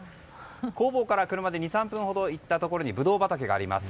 工房から車で２３分ほど行ったところにブドウ畑があります。